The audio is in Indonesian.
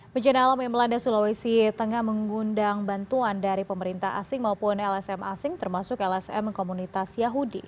bencana alam yang melanda sulawesi tengah mengundang bantuan dari pemerintah asing maupun lsm asing termasuk lsm komunitas yahudi